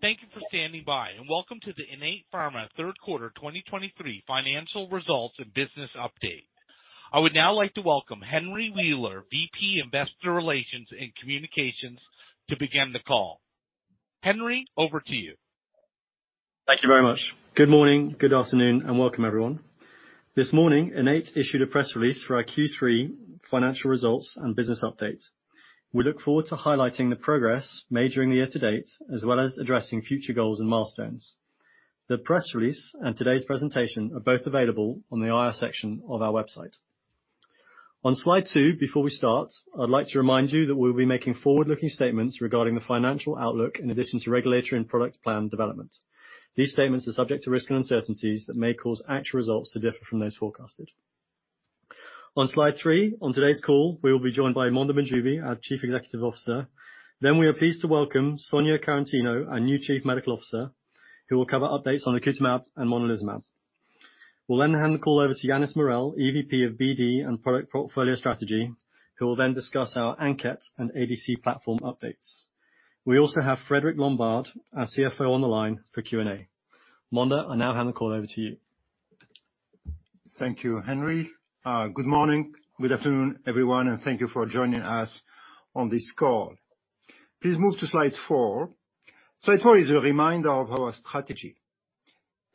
Thank you for standing by, and welcome to the Innate Pharma third quarter 2023 financial results and business update. I would now like to welcome Henry Wheeler, VP, Investor Relations and Communications, to begin the call. Henry, over to you. Thank you very much. Good morning, good afternoon, and welcome, everyone. This morning, Innate issued a press release for our Q3 financial results and business update. We look forward to highlighting the progress made during the year to date, as well as addressing future goals and milestones. The press release and today's presentation are both available on the IR section of our website. On slide two, before we start, I'd like to remind you that we'll be making forward-looking statements regarding the financial outlook, in addition to regulatory and product plan development. These statements are subject to risks and uncertainties that may cause actual results to differ from those forecasted. On slide three, on today's call, we will be joined by Mondher Mahjoubi, our Chief Executive Officer. Then, we are pleased to welcome Sonia Quaratino, our new Chief Medical Officer, who will cover updates on lacutamab and monalizumab. We'll then hand the call over to Yannis Morel, EVP of BD and Product Portfolio Strategy, who will then discuss our ANKET and ADC platform updates. We also have Frédéric Lombard, our CFO, on the line for Q&A. Mondher, I now hand the call over to you. Thank you, Henry. Good morning, good afternoon, everyone, and thank you for joining us on this call. Please move to slide four. Slide four is a reminder of our strategy.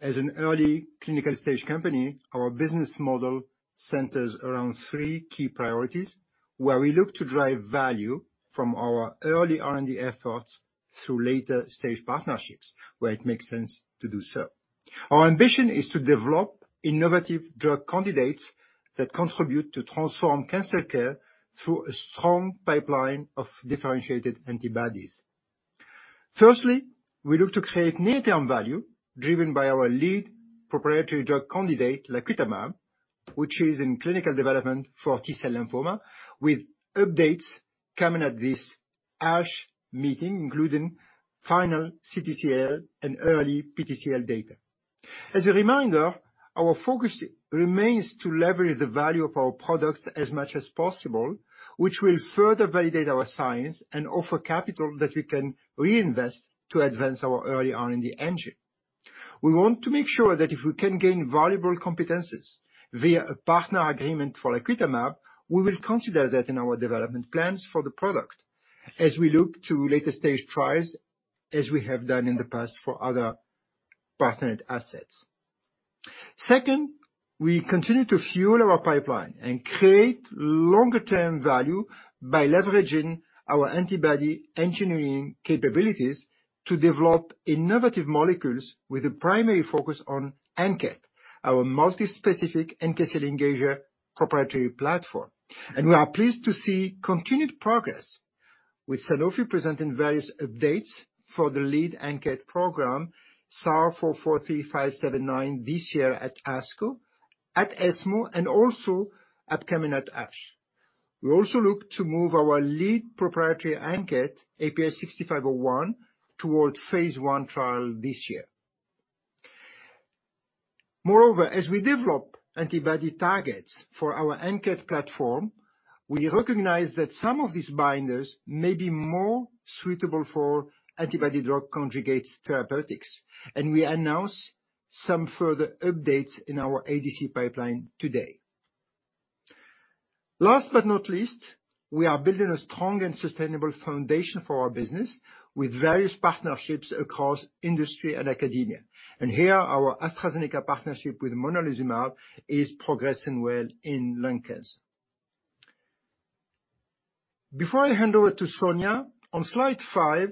As an early clinical stage company, our business model centers around three key priorities, where we look to drive value from our early R&D efforts through later stage partnerships, where it makes sense to do so. Our ambition is to develop innovative drug candidates that contribute to transform cancer care through a strong pipeline of differentiated antibodies. Firstly, we look to create near-term value driven by our lead proprietary drug candidate, lacutamab, which is in clinical development for T-cell lymphoma, with updates coming at this ASH meeting, including final CTCL and early PTCL data. As a reminder, our focus remains to leverage the value of our products as much as possible, which will further validate our science and offer capital that we can reinvest to advance our early R&D engine. We want to make sure that if we can gain valuable competencies via a partner agreement for lacutamab, we will consider that in our development plans for the product, as we look to later stage trials, as we have done in the past for other partnered assets. Second, we continue to fuel our pipeline and create longer-term value by leveraging our antibody engineering capabilities to develop innovative molecules with a primary focus on ANKET, our multi-specific NK cell engager proprietary platform. We are pleased to see continued progress, with Sanofi presenting various updates for the lead ANKET program, SAR 443579, this year at ASCO, at ESMO, and also upcoming at ASH. We also look to move our lead proprietary ANKET, IPH6501, towards phase 1 trial this year. Moreover, as we develop antibody targets for our ANKET platform, we recognize that some of these binders may be more suitable for antibody-drug conjugate therapeutics, and we announce some further updates in our ADC pipeline today. Last but not least, we are building a strong and sustainable foundation for our business with various partnerships across industry and academia. And here, our AstraZeneca partnership with monalizumab is progressing well in lung cancer. Before I hand over to Sonia, on slide five,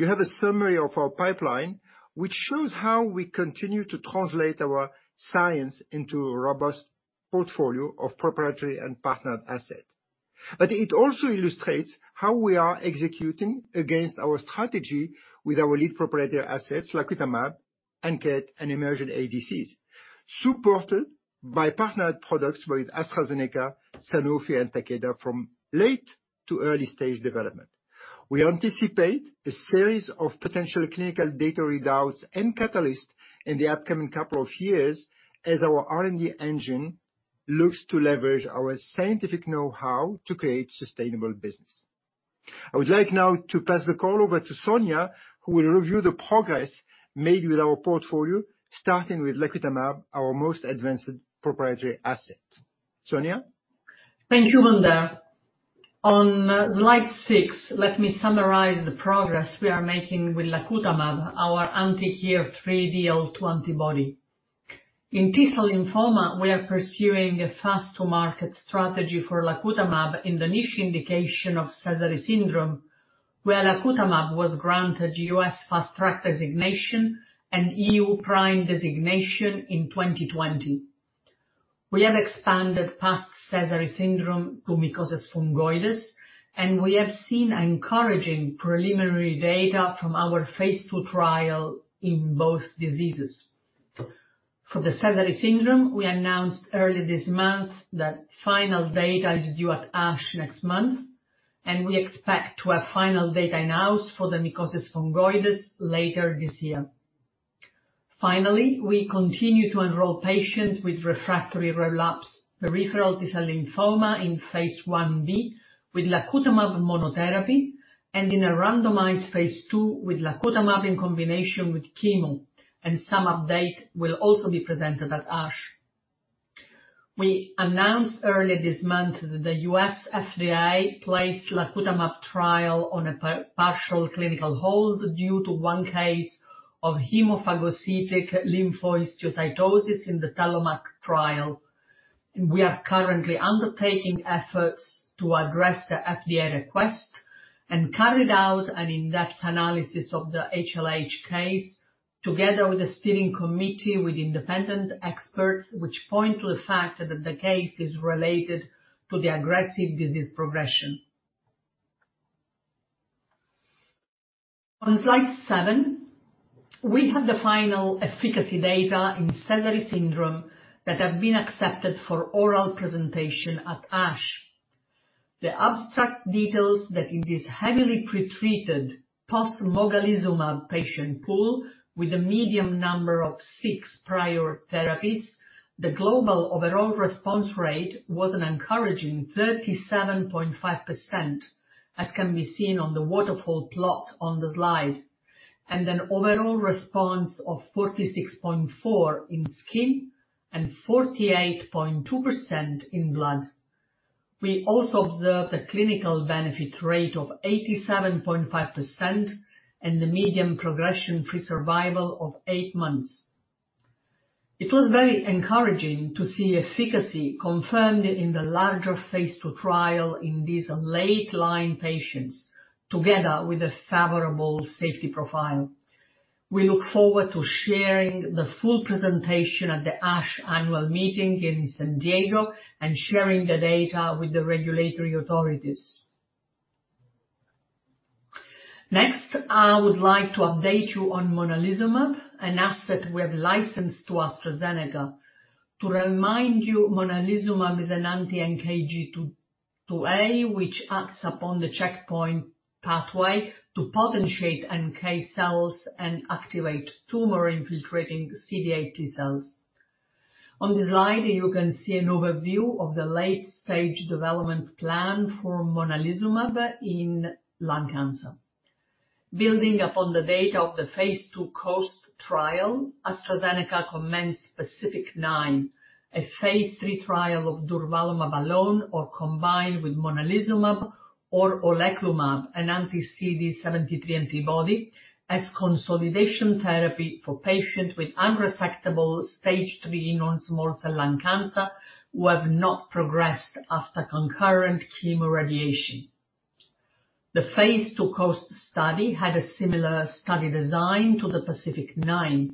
you have a summary of our pipeline, which shows how we continue to translate our science into a robust portfolio of proprietary and partnered assets. But it also illustrates how we are executing against our strategy with our lead proprietary assets, lacutamab, ANKET, and emerging ADCs, supported by partnered products with AstraZeneca, Sanofi, and Takeda from late to early stage development. We anticipate a series of potential clinical data readouts and catalysts in the upcoming couple of years as our R&D engine looks to leverage our scientific know-how to create sustainable business. I would like now to pass the call over to Sonia, who will review the progress made with our portfolio, starting with lacutamab, our most advanced proprietary asset. Sonia? Thank you, Mondher. On slide six, let me summarize the progress we are making with lacutamab, our anti-KIR3DL2 antibody. In T-cell lymphoma, we are pursuing a fast-to-market strategy for lacutamab in the niche indication of Sézary syndrome, where lacutamab was granted U.S. Fast Track Designation and E.U. PRIME designation in 2020. We have expanded past Sézary syndrome to mycosis fungoides, and we have seen encouraging preliminary data from our phase II trial in both diseases. For the Sézary syndrome, we announced early this month that final data is due at ASH next month, and we expect to have final data in-house for the mycosis fungoides later this year. Finally, we continue to enroll patients with refractory relapsed peripheral T-cell lymphoma in phase Ib with lacutamab monotherapy, and in a randomized phase II with lacutamab in combination with chemo, and some update will also be presented at ASH. We announced earlier this month that the U.S. FDA placed lacutamab trial on a partial clinical hold due to one case of hemophagocytic lymphohistiocytosis in the TELLOMAK trial. We are currently undertaking efforts to address the FDA request and carried out an in-depth analysis of the HLH case, together with a steering committee with independent experts, which point to the fact that the case is related to the aggressive disease progression. On slide seven, we have the final efficacy data in Sézary syndrome that have been accepted for oral presentation at ASH. The abstract details that in this heavily pretreated post-mogamulizumab patient pool, with a median number of six prior therapies, the global overall response rate was an encouraging 37.5%, as can be seen on the waterfall plot on the slide, and an overall response of 46.4% in skin and 48.2% in blood. We also observed a clinical benefit rate of 87.5% and the median progression-free survival of 8 months. It was very encouraging to see efficacy confirmed in the larger phase II trial in these late-line patients, together with a favorable safety profile. We look forward to sharing the full presentation at the ASH annual meeting in San Diego and sharing the data with the regulatory authorities. Next, I would like to update you on monalizumab, an asset we have licensed to AstraZeneca. To remind you, monalizumab is an anti-NKG2A, which acts upon the checkpoint pathway to potentiate NK cells and activate tumor-infiltrating CD8 T-cells. On this slide, you can see an overview of the late-stage development plan for monalizumab in lung cancer. Building upon the data of the phase II COAST trial, AstraZeneca commenced PACIFIC-9, a phase III trial of durvalumab alone, or combined with monalizumab or oleclumab, an anti-CD73 antibody, as consolidation therapy for patients with unresectable stage III non-small cell lung cancer, who have not progressed after concurrent chemoradiation. The phase II COAST study had a similar study design to the PACIFIC-9.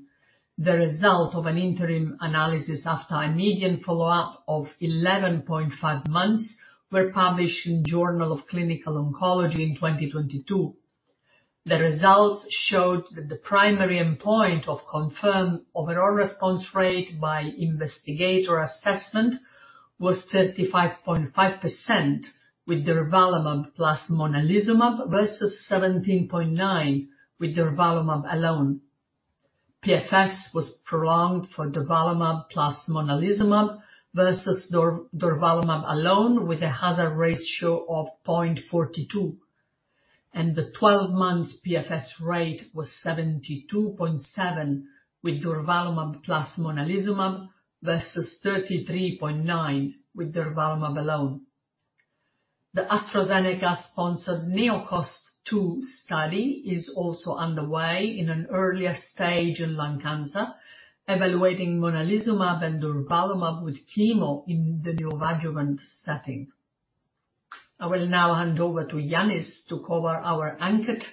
The result of an interim analysis after a median follow-up of 11.5 months were published in Journal of Clinical Oncology in 2022. The results showed that the primary endpoint of confirmed overall response rate by investigator assessment was 35.5%, with durvalumab plus monalizumab, versus 17.9% with durvalumab alone. PFS was prolonged for durvalumab plus monalizumab versus durvalumab alone, with a hazard ratio of 0.42, and the 12-month PFS rate was 72.7% with durvalumab plus monalizumab versus 33.9% with durvalumab alone. The AstraZeneca-sponsored NEOCOAST-2 study is also underway in an earlier stage in lung cancer, evaluating monalizumab and durvalumab with chemo in the neoadjuvant setting. I will now hand over to Yannis to cover our ANKET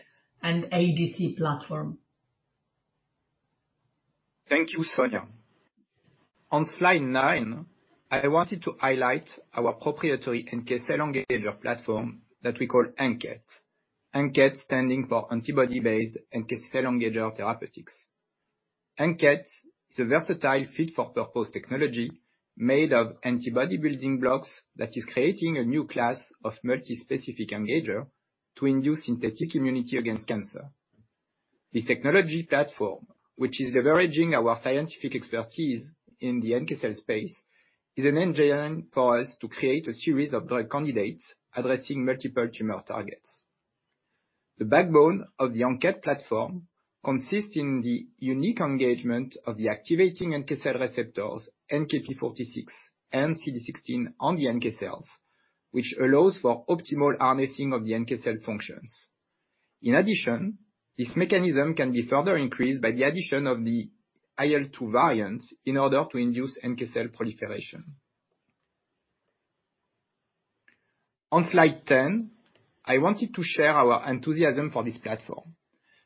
and ADC platform. Thank you, Sonia. On slide nine, I wanted to highlight our proprietary NK cell engager platform that we call ANKET. ANKET, standing for antibody-based NK cell engager therapeutics. ANKET is a versatile fit for purpose technology made of antibody building blocks that is creating a new class of multi-specific engager to induce synthetic immunity against cancer. This technology platform, which is leveraging our scientific expertise in the NK cell space, is an engine for us to create a series of drug candidates addressing multiple tumor targets. The backbone of the ANKET platform consists in the unique engagement of the activating NK cell receptors, NKp46 and CD16 on the NK cells, which allows for optimal harnessing of the NK cell functions. In addition, this mechanism can be further increased by the addition of the IL-2 variant, in order to induce NK cell proliferation. On slide 10, I wanted to share our enthusiasm for this platform.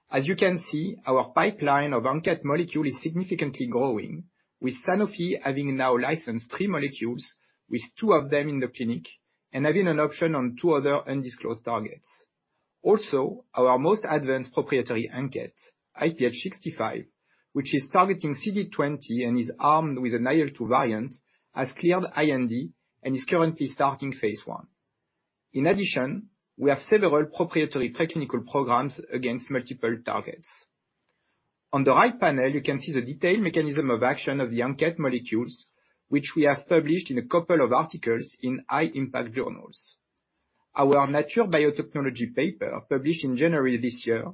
As you can see, our pipeline of ANKET molecule is significantly growing, with Sanofi having now licensed three molecules, with two of them in the clinic, and having an option on two other undisclosed targets. Also, our most advanced proprietary ANKET, IPH6501, which is targeting CD20 and is armed with an IL-2 variant, has cleared IND and is currently starting phase I. In addition, we have several proprietary pre-clinical programs against multiple targets. On the right panel, you can see the detailed mechanism of action of the ANKET molecules, which we have published in a couple of articles in high-impact journals. Our Nature Biotechnology paper, published in January this year,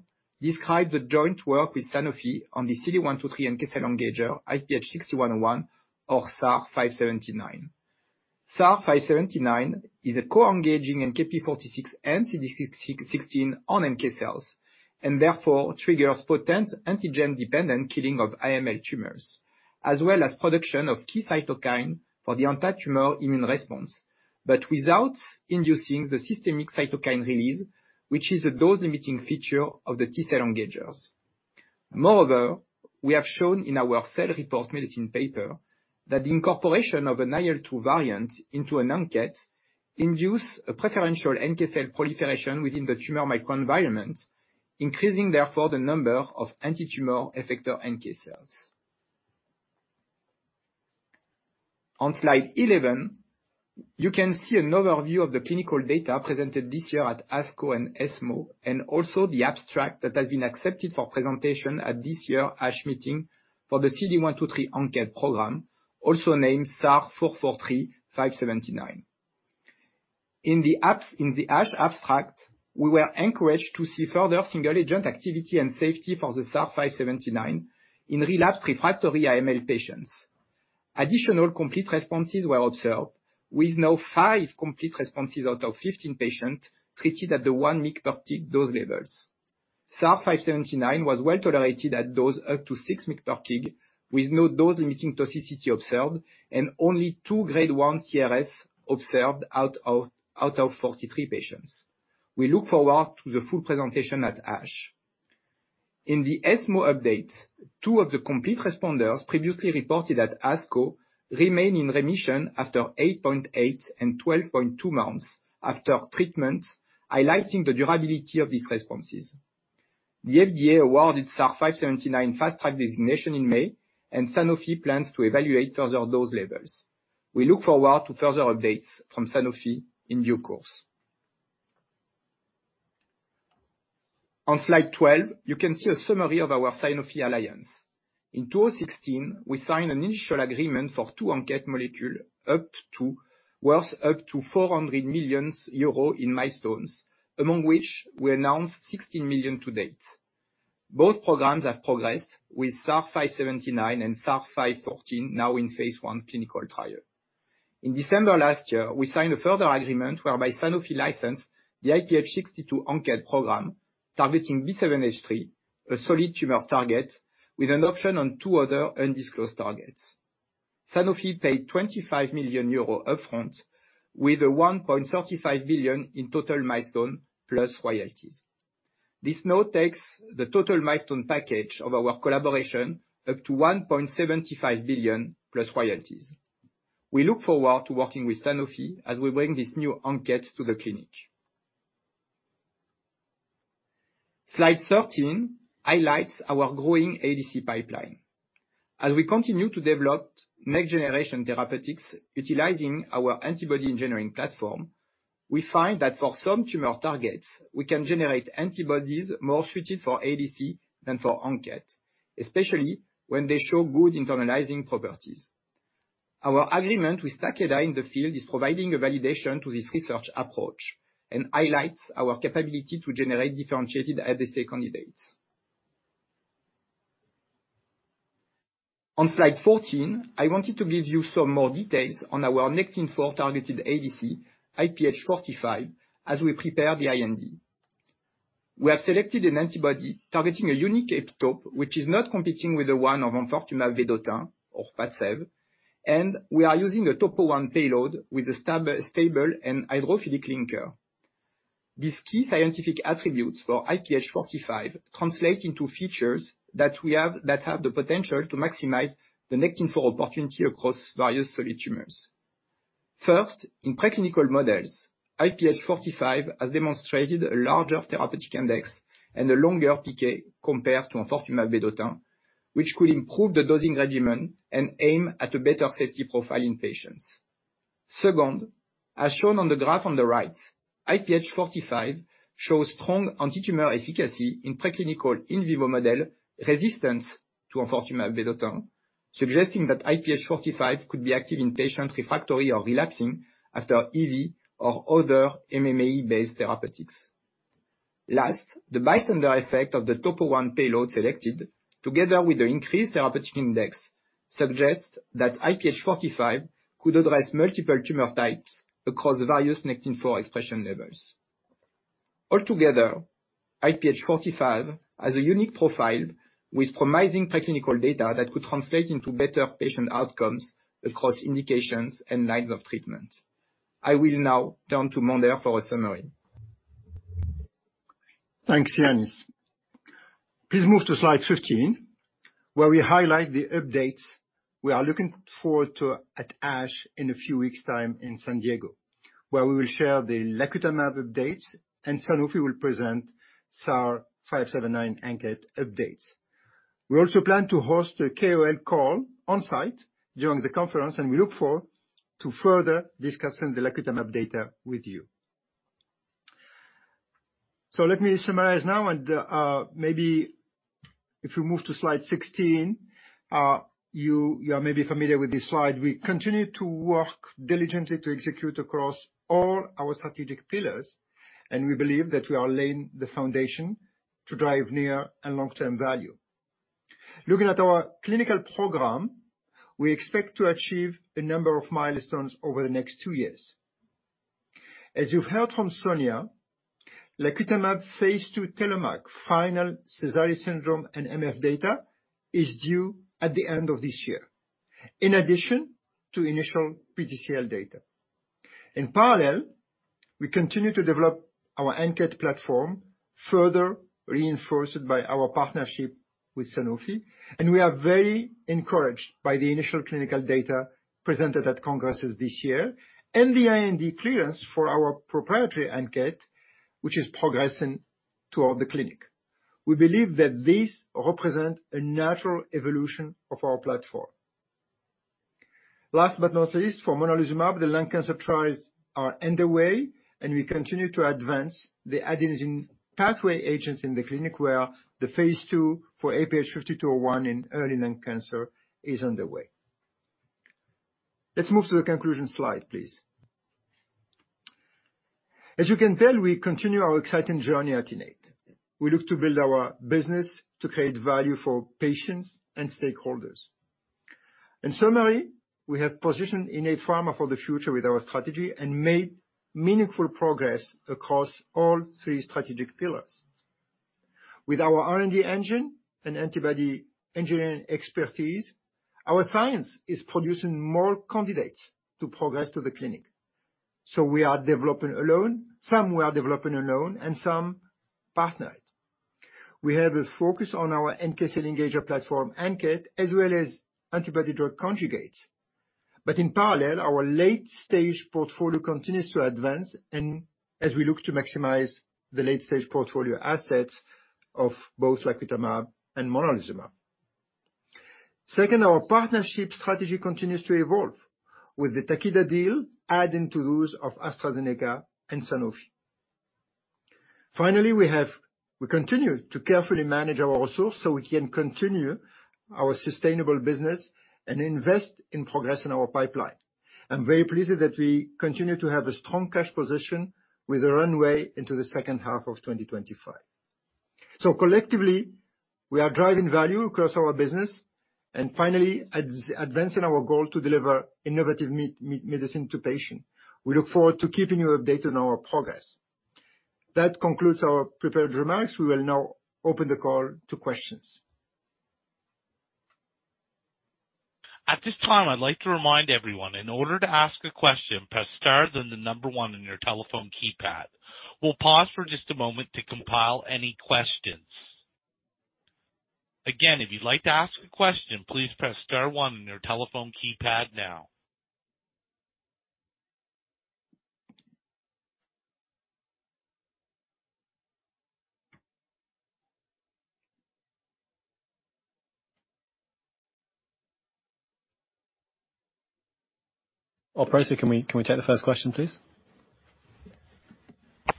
described the joint work with Sanofi on the CD123 NK cell engager, IPH6101, or SAR 443579. SAR 443579 is a co-engaging NKp46 and CD16 on NK cells, and therefore triggers potent antigen-dependent killing of AML tumors, as well as production of key cytokine for the anti-tumor immune response, but without inducing the systemic cytokine release, which is a dose-limiting feature of the T-cell engagers. Moreover, we have shown in our Cell Reports Medicine paper that the incorporation of an IL-2 variant into an ANKET induce a preferential NK cell proliferation within the tumor microenvironment, increasing therefore the number of anti-tumor effector NK cells. On slide 11, you can see an overview of the clinical data presented this year at ASCO and ESMO, and also the abstract that has been accepted for presentation at this year's ASH meeting for the CD123 ANKET program, also named SAR 443579. In the ASH abstract, we were encouraged to see further single agent activity and safety for the SAR 443579 in relapsed refractory AML patients. Additional complete responses were observed, with now five complete responses out of 15 patients treated at the 1 mg per kg dose levels. SAR 443579 was well tolerated at dose up to 6 mg per kg, with no dose-limiting toxicity observed, and only two grade 1 CRS observed out of 43 patients. We look forward to the full presentation at ASH. In the ESMO update, two of the complete responders previously reported at ASCO remain in remission after eight point eight and 12.2 months after treatment, highlighting the durability of these responses. The FDA awarded SAR443579 Fast Track Designation in May, and Sanofi plans to evaluate further dose levels. We look forward to further updates from Sanofi in due course. On slide 12, you can see a summary of our Sanofi alliance. In 2016, we signed an initial agreement for two ANKET molecules, up to worth up to 400 million euro in milestones, among which we announced 16 million to date. Both programs have progressed with SAR 443579 and SAR 514 now in phase I clinical trial. In December last year, we signed a further agreement whereby Sanofi licensed the IPH62 ANKET program, targeting B7-H3, a solid tumor target, with an option on two other undisclosed targets. Sanofi paid 25 million euro upfront, with a 1.35 billion in total milestone plus royalties. This now takes the total milestone package of our collaboration up to 1.75 billion plus royalties. We look forward to working with Sanofi as we bring this new ANKET to the clinic. Slide 13 highlights our growing ADC pipeline. As we continue to develop next generation therapeutics utilizing our antibody engineering platform, we find that for some tumor targets, we can generate antibodies more suited for ADC than for ANKET, especially when they show good internalizing properties. Our agreement with Takeda in the field is providing a validation to this research approach, and highlights our capability to generate differentiated ADC candidates. On slide 14, I wanted to give you some more details on our Nectin-4 targeted ADC, IPH45, as we prepare the IND. We have selected an antibody targeting a unique epitope, which is not competing with the one of enfortumab vedotin, or PADCEV, and we are using a Topo I payload with a stable and hydrophilic linker. These key scientific attributes for IPH45 translate into features that we have that have the potential to maximize the Nectin-4 opportunity across various solid tumors. First, in preclinical models, IPH45 has demonstrated a larger therapeutic index and a longer PK compared to enfortumab vedotin, which could improve the dosing regimen and aim at a better safety profile in patients. Second, as shown on the graph on the right, IPH45 shows strong antitumor efficacy in preclinical in vivo model resistance to enfortumab vedotin, suggesting that IPH45 could be active in patient refractory or relapsing after EV or other MMAE-based therapeutics. Last, the bystander effect of the topo I payload selected, together with the increased therapeutic index, suggests that IPH45 could address multiple tumor types across various Nectin-4 expression levels. Altogether, IPH45 has a unique profile with promising preclinical data that could translate into better patient outcomes across indications and lines of treatment. I will now turn to Mondher for a summary. Thanks, Yannis. Please move to slide 15, where we highlight the updates we are looking forward to at ASH in a few weeks' time in San Diego, where we will share the lacutamab updates, and Sanofi will present SAR 443579 ANKET updates. We also plan to host a KOL call on site during the conference, and we look forward to further discussing the lacutamab data with you. So let me summarize now, and maybe if you move to slide 16, you are maybe familiar with this slide. We continue to work diligently to execute across all our strategic pillars, and we believe that we are laying the foundation to drive near and long-term value. Looking at our clinical program, we expect to achieve a number of milestones over the next two years. As you've heard from Sonia, lacutamab phase II TELLOMAK, final Sézary syndrome and MF data is due at the end of this year, in addition to initial PTCL data. In parallel, we continue to develop our ANKET platform, further reinforced by our partnership with Sanofi, and we are very encouraged by the initial clinical data presented at congresses this year, and the IND clearance for our proprietary ANKET, which is progressing toward the clinic. We believe that this represents a natural evolution of our platform. Last but not least, for monalizumab, the lung cancer trials are underway, and we continue to advance the adenosine pathway agents in the clinic, where the phase two for IPH5201 in early lung cancer is underway. Let's move to the conclusion slide, please. As you can tell, we continue our exciting journey at Innate. We look to build our business to create value for patients and stakeholders. In summary, we have positioned Innate Pharma for the future with our strategy and made meaningful progress across all three strategic pillars. With our R&D engine and antibody engineering expertise, our science is producing more candidates to progress to the clinic. So we are developing some alone, and some partnered. We have a focus on our NK cell engager platform, ANKET, as well as antibody-drug conjugates. But in parallel, our late-stage portfolio continues to advance, and as we look to maximize the late-stage portfolio assets of both lacutamab and monalizumab. Second, our partnership strategy continues to evolve, with the Takeda deal adding to those of AstraZeneca and Sanofi. Finally, we continue to carefully manage our resources, so we can continue our sustainable business and invest in progress in our pipeline. I'm very pleased that we continue to have a strong cash position, with a runway into the second half of 2025. So collectively, we are driving value across our business and finally, advancing our goal to deliver innovative medicine to patients. We look forward to keeping you updated on our progress. That concludes our prepared remarks. We will now open the call to questions. At this time, I'd like to remind everyone, in order to ask a question, press star then the number one on your telephone keypad. We'll pause for just a moment to compile any questions. Again, if you'd like to ask a question, please press star one on your telephone keypad now. Operator, can we, can we take the first question, please?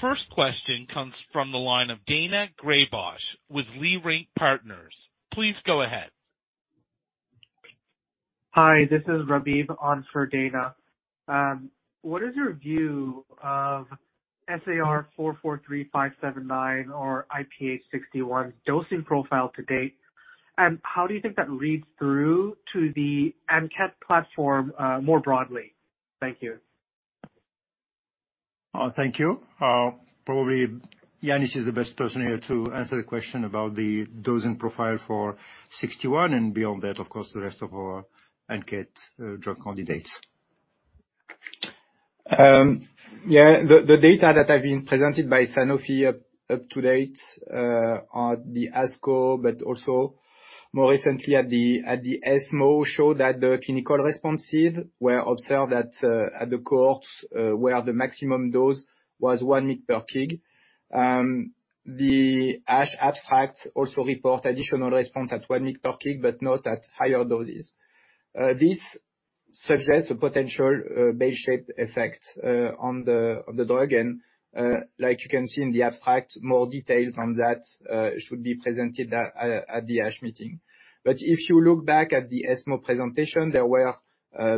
First question comes from the line of Daina Graybosch with Leerink Partners. Please go ahead. Hi, this is Rabib on for Dana. What is your view of SAR 443579, or IPH6101 dosing profile to date? And how do you think that reads through to the ANKET platform more broadly? Thank you. Thank you. Probably Yannis is the best person here to answer the question about the dosing profile for 61, and beyond that, of course, the rest of our ANKET drug candidates. Yeah, the data that have been presented by Sanofi up to date at the ASCO, but also more recently at the ESMO, show that the clinical responses were observed at the cohort where the maximum dose was 1 mg per kg. The ASH abstract also report additional response at 1 mg per kg, but not at higher doses. This suggests a potential bell-shaped effect on the drug. And like you can see in the abstract, more details on that should be presented at the ASH meeting. But if you look back at the ESMO presentation, there were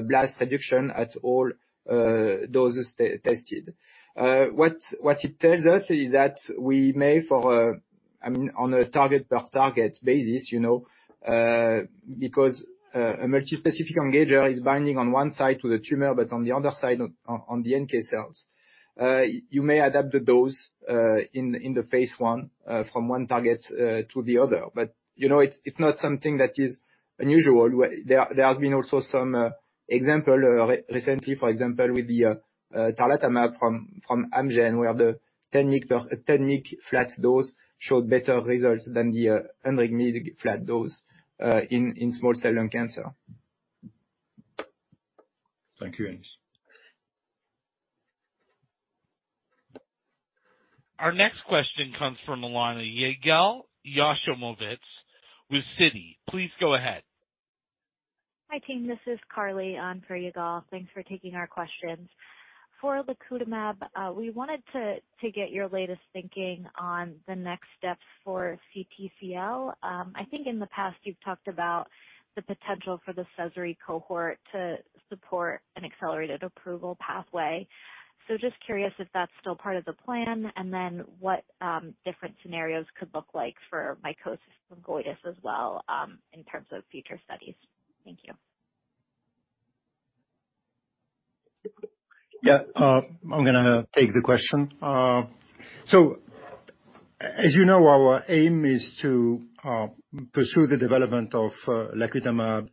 blast reduction at all doses tested. What it tells us is that we may, for, I mean, on a target per target basis, you know, because a multispecific engager is binding on one side to the tumor, but on the other side, on the NK cells, you may adapt the dose, in the phase I, from one target to the other. But, you know, it's not something that is unusual. There has been also some example recently, for example, with the tarlatamab from Amgen, where the 10 mg flat dose showed better results than the 100 mg flat dose in small cell lung cancer. Thank you, Yannis. Our next question comes from the line of Yigal Nochomovitz with Citi. Please go ahead. Hi, team. This is Carly on for Yigal. Thanks for taking our questions. For lacutamab, we wanted to, to get your latest thinking on the next steps for CTCL. I think in the past, you've talked about the potential for the Sézary cohort to support an accelerated approval pathway. So just curious if that's still part of the plan, and then what different scenarios could look like for mycosis fungoides as well, in terms of future studies? Thank you. Yeah, I'm gonna take the question. So as you know, our aim is to pursue the development of lacutamab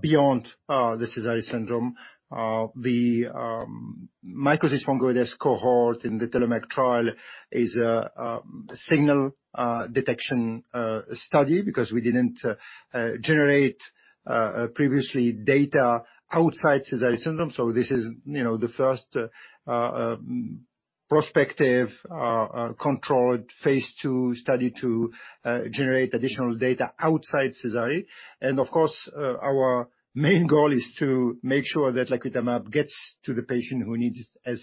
beyond the Sézary syndrome. The mycosis fungoides cohort in the TELLOMAK trial is a signal detection study because we didn't generate previously data outside Sézary syndrome. So this is, you know, the first prospective controlled phase II study to generate additional data outside Sézary. And of course, our main goal is to make sure that lacutamab gets to the patient who needs it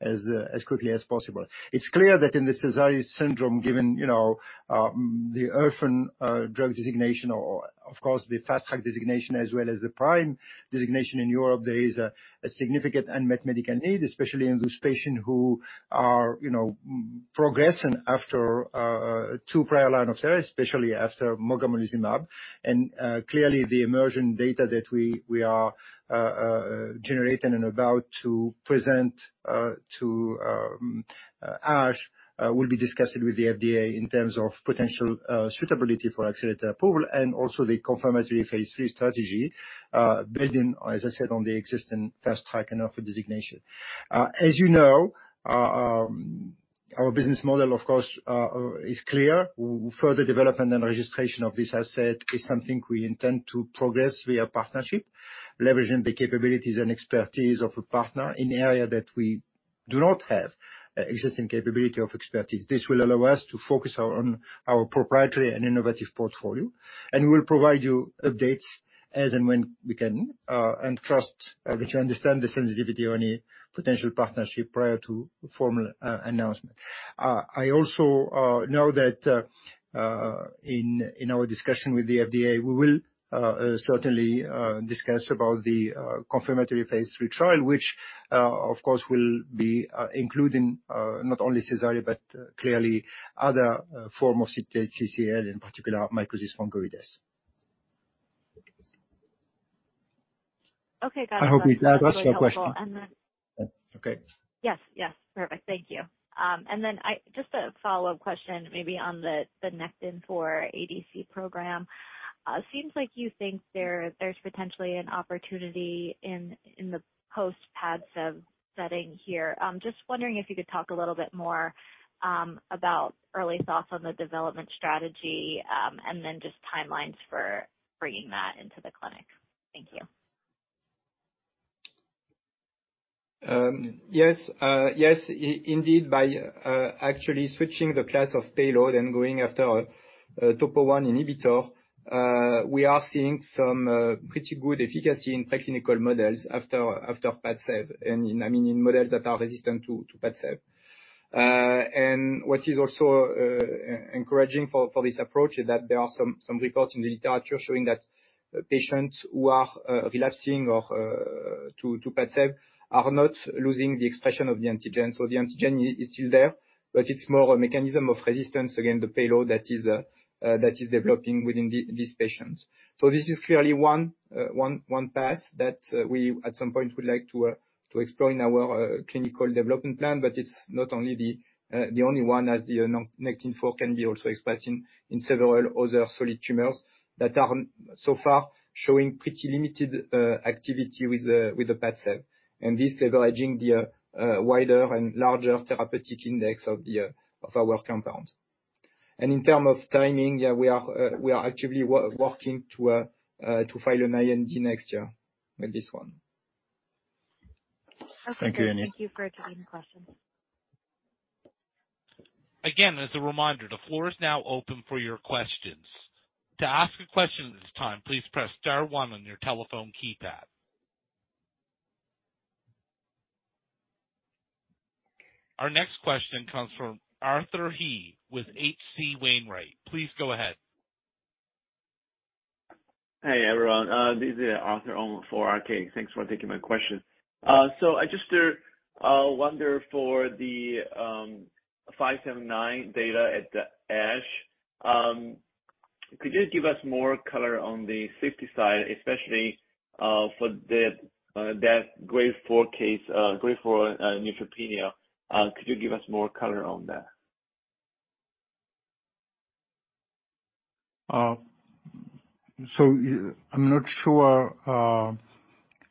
as quickly as possible. It's clear that in the Sézary syndrome, given, you know, the orphan drug designation or, of course, the fast-track designation, as well as the prime designation in Europe, there is a significant unmet medical need, especially in those patients who are, you know, progressing after two prior lines of therapy, especially after mogamulizumab. And clearly, the interim data that we are generating and about to present to ASH will be discussed with the FDA in terms of potential suitability for accelerated approval, and also the confirmatory phase three strategy, building, as I said, on the existing Fast Track and Orphan designation. As you know, our business model, of course, is clear. Further development and registration of this asset is something we intend to progress via partnership, leveraging the capabilities and expertise of a partner in an area that we do not have existing capability of expertise. This will allow us to focus on our proprietary and innovative portfolio, and we will provide you updates as and when we can, and trust that you understand the sensitivity on any potential partnership prior to formal announcement. I also know that in our discussion with the FDA, we will certainly discuss about the confirmatory phase three trial, which of course will be including not only Sézary, but clearly other form of CTCL, in particular, mycosis fungoides. Okay, got it. I hope I answered your question. That's very helpful. And then- Okay. Yes, yes. Perfect. Thank you. And then just a follow-up question, maybe on the Nectin-4 ADC program. Seems like you think there's potentially an opportunity in the post-PADCEV setting here. Just wondering if you could talk a little bit more about early thoughts on the development strategy, and then just timelines for bringing that into the clinic. Thank you. Yes, indeed, by actually switching the class of payload and going after a topo I inhibitor, we are seeing some pretty good efficacy in preclinical models after PADCEV, and in, I mean, in models that are resistant to PADCEV. And what is also encouraging for this approach is that there are some reports in the literature showing that patients who are relapsing or to PADCEV are not losing the expression of the antigen. So the antigen is still there, but it's more a mechanism of resistance against the payload that is developing within these patients. So this is clearly one path that we at some point would like to explore in our clinical development plan. But it's not only the only one, as the Nectin-4 can be also expressed in several other solid tumors that are so far showing pretty limited activity with the PADCEV, and this leveraging the wider and larger therapeutic index of our compound. And in terms of timing, yeah, we are actively working to file an IND next year with this one. Thank you. Thank you for answering the question. Again, as a reminder, the floor is now open for your questions. To ask a question at this time, please press star one on your telephone keypad. Our next question comes from Arthur He with HC Wainwright. Please go ahead. Hey, everyone, this is Arthur Ong for Arcade. Thanks for taking my question. So I just wonder for the 579 data at the ASH, could you give us more color on the safety side, especially for that grade fouce case, grade 4 neutropenia? Could you give us more color on that? So I'm not sure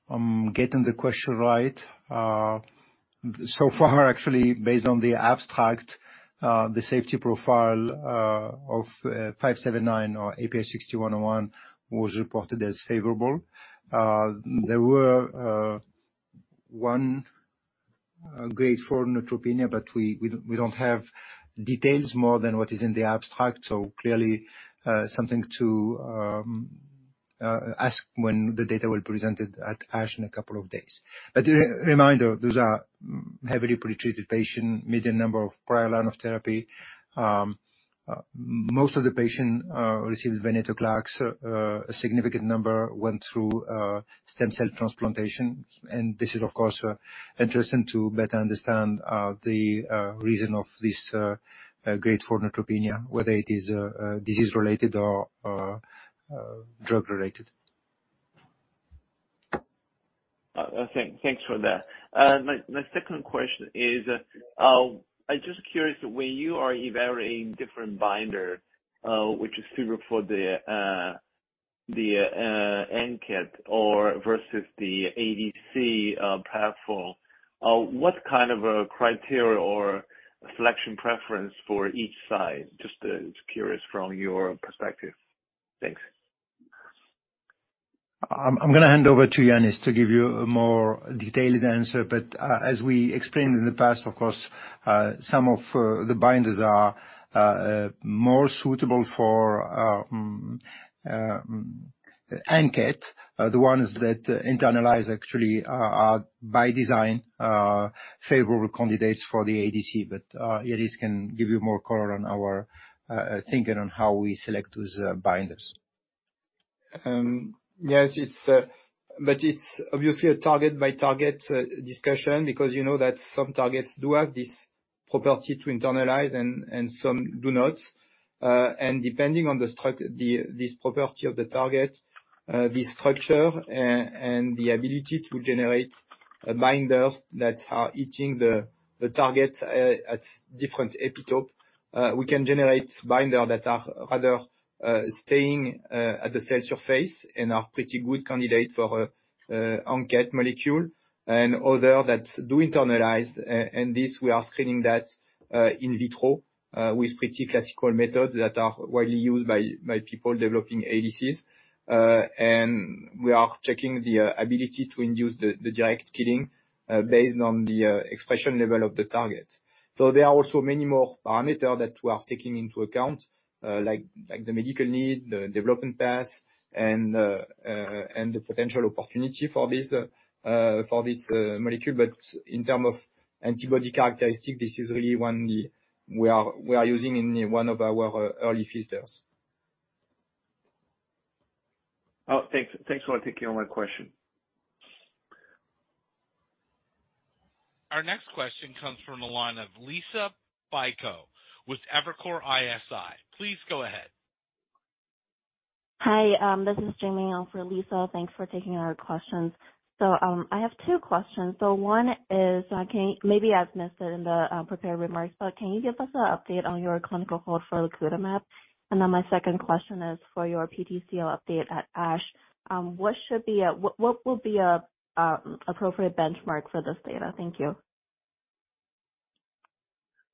I'm getting the question right. So far, actually, based on the abstract, the safety profile of 579 or IPH6101 was reported as favorable. There were one grade 4 neutropenia, but we don't have details more than what is in the abstract, so clearly something to ask when the data will be presented at ASH in a couple of days. But a reminder, those are heavily pre-treated patient, median number of prior line of therapy. Most of the patient received venetoclax. A significant number went through stem cell transplantation, and this is, of course, interesting to better understand the reason of this grade 4 neutropenia, whether it is disease related or drug related. Thanks for that. My second question is, I'm just curious, when you are evaluating different binder which is suitable for the ANKET or versus the ADC platform, what kind of a criteria or selection preference for each side? Just curious from your perspective. Thanks. I'm gonna hand over to Yannis to give you a more detailed answer, but as we explained in the past, of course, some of the binders are more suitable for ANKET. The ones that internalize actually are by design favorable candidates for the ADC. But Yannis can give you more color on our thinking on how we select those binders. Yes, it's but it's obviously a target-by-target discussion, because you know that some targets do have this property to internalize and some do not. And depending on the structure, this property of the target, the structure, and the ability to generate binders that are hitting the target at different epitope, we can generate binder that are rather staying at the cell surface and are pretty good candidate for ANKET molecule, and other that do internalize, and this we are screening that in vitro with pretty classical methods that are widely used by people developing ADCs. And we are checking the ability to induce the direct killing based on the expression level of the target. So there are also many more parameters that we are taking into account, like the medical need, the development path, and the potential opportunity for this molecule. But in terms of antibody characteristics, this is really one we are using in one of our early filters. Oh, thanks. Thanks for taking my question. Our next question comes from the line of Liisa Bayko, with Evercore ISI. Please go ahead. Hi, this is Jamie in for Liisa. Thanks for taking our questions. So, I have two questions. So one is, maybe I've missed it in the prepared remarks, but can you give us an update on your clinical hold for lacutamab? And then my second question is for your PTCL update at ASH. What will be an appropriate benchmark for this data? Thank you.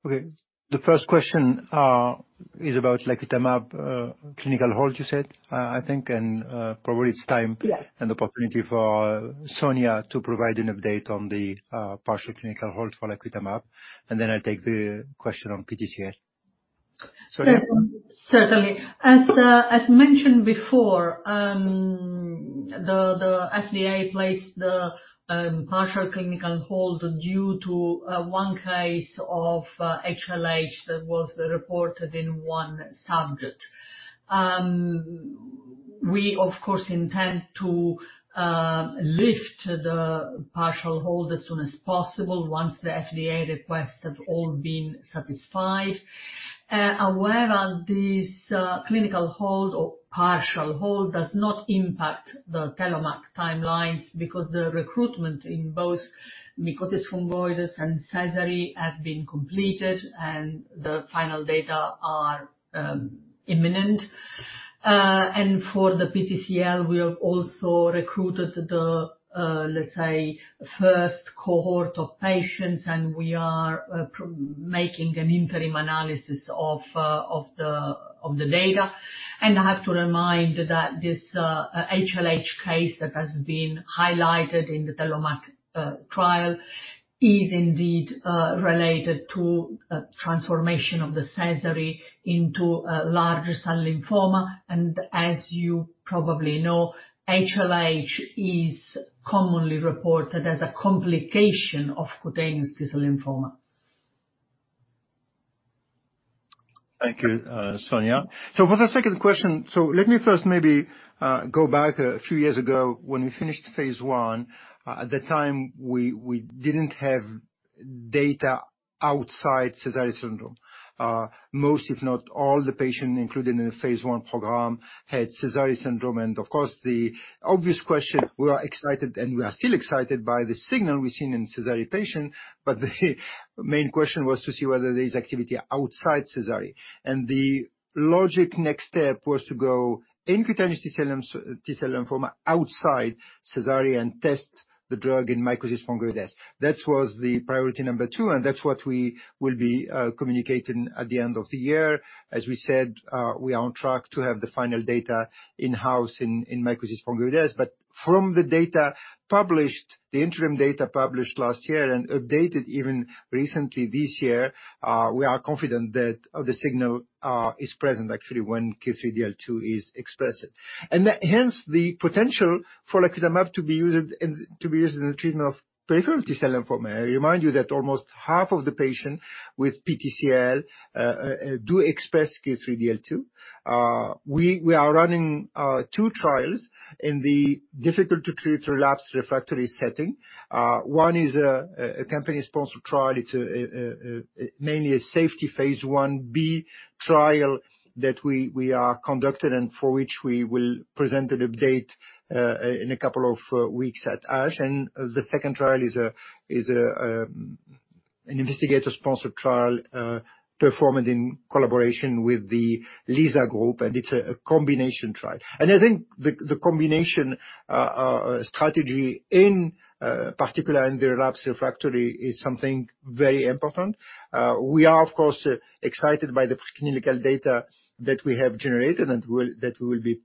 Okay. The first question is about lacutamab clinical hold, you said? I think, and, probably it's time- Yes and the opportunity for Sonia to provide an update on the partial clinical hold for lacutamab. And then I'll take the question on PTCL. Sonia? Certainly. As mentioned before, the FDA placed the partial clinical hold due to one case of HLH that was reported in one subject. We, of course, intend to lift the partial hold as soon as possible, once the FDA requests have all been satisfied. However, this clinical hold or partial hold does not impact the TELLOMAK timelines, because the recruitment in both mycosis fungoides and Sézary have been completed, and the final data are imminent. And for the PTCL, we have also recruited the, let's say, first cohort of patients, and we are making an interim analysis of the data. I have to remind that this HLH case that has been highlighted in the TELLOMAK trial is indeed related to a transformation of the Sézary into a large cell lymphoma. As you probably know, HLH is commonly reported as a complication of cutaneous T-cell lymphoma. Thank you, Sonia. So for the second question, so let me first maybe go back a few years ago when we finished phase I. At the time, we didn't have data outside Sézary syndrome. Most, if not all the patients included in the phase I program had Sézary syndrome. And of course, the obvious question, we are excited, and we are still excited by the signal we've seen in Sézary patients, but the main question was to see whether there is activity outside Sézary. And the logic next step was to go in cutaneous T-cell lymphoma outside Sézary and test the drug in mycosis fungoides. That was the priority number two, and that's what we will be communicating at the end of the year. As we said, we are on track to have the final data in-house in mycosis fungoides. From the data published, the interim data published last year and updated even recently this year, we are confident that the signal is present actually when KIR3DL2 is expressed. And that hence the potential for lacutamab to be used in the treatment of peripheral T-cell lymphoma. I remind you that almost half of the patients with PTCL do express KIR3DL2. We are running two trials in the difficult-to-treat relapse refractory setting. One is a company-sponsored trial. It's mainly a safety phase Ib trial that we are conducting, and for which we will present an update in a couple of weeks at ASH. And the second trial is an investigator-sponsored trial performed in collaboration with the LYSA group, and it's a combination trial. I think the combination strategy, in particular in the relapsed refractory, is something very important. We are, of course, excited by the preclinical data that we have generated, and that will be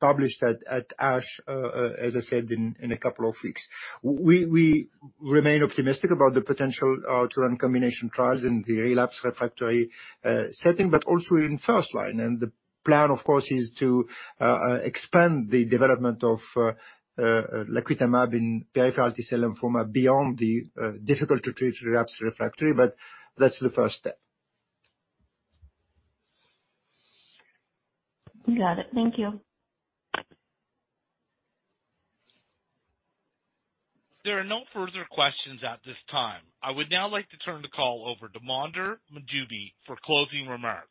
published at ASH, as I said, in a couple of weeks. We remain optimistic about the potential to run combination trials in the relapsed refractory setting, but also in first line. The plan, of course, is to expand the development of lacutamab in peripheral T-cell lymphoma beyond the difficult-to-treat relapse refractory, but that's the first step. Got it. Thank you. There are no further questions at this time. I would now like to turn the call over to Mondher Mahjoubi for closing remarks.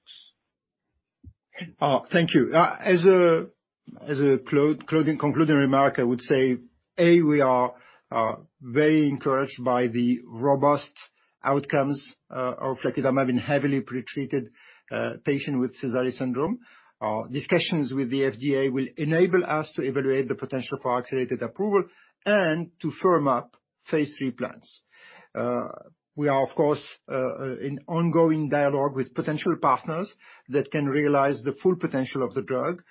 Oh, thank you. As a closing concluding remark, I would say, we are very encouraged by the robust outcomes of lacutamab in heavily pretreated patient with Sézary syndrome. Discussions with the FDA will enable us to evaluate the potential for accelerated approval and to firm up Phase III plans. We are, of course, in ongoing dialogue with potential partners that can realize the full potential of the drug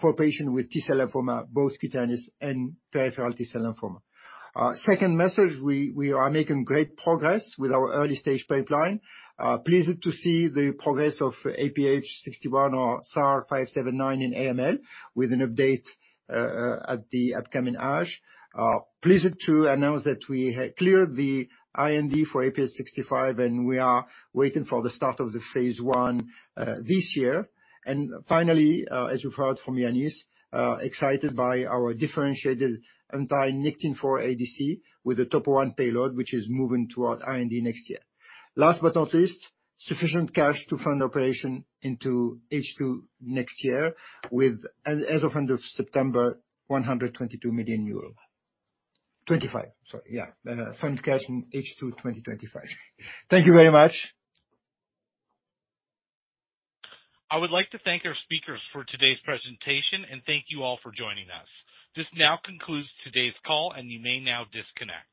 for patient with T-cell lymphoma, both cutaneous and peripheral T-cell lymphoma. Second message, we are making great progress with our early-stage pipeline. Pleased to see the progress of IPH6101 or SAR 443579 in AML, with an update at the upcoming ASH. Pleased to announce that we have cleared the IND for IPH6501, and we are waiting for the start of the phase I this year. Finally, as you've heard from Yannis, excited by our differentiated anti-Nectin-4 ADC with the topo I payload, which is moving toward IND next year. Last but not least, sufficient cash to fund operation into H2 next year, with, as of end of September, 122 million euros. 2025, sorry. Yeah, fund cash in H2 2025. Thank you very much. I would like to thank our speakers for today's presentation, and thank you all for joining us. This now concludes today's call, and you may now disconnect.